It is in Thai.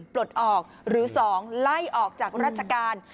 ปลดออกหรือ๒ไล่ออกจากราชการ